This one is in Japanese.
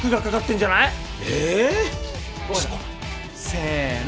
せの！